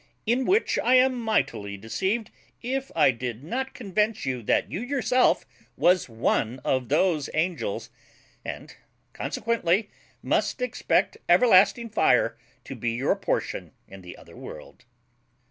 ] in which I am mightily deceived if I did not convince you that you yourself was one of those ANGELS, and, consequently, must expect EVERLASTING FIRE to be your portion in the other world.